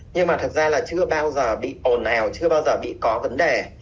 nhưng mà thực ra là chưa bao giờ bị ồn ào chưa bao giờ bị có vấn đề